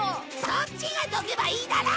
そっちがどけばいいだろ！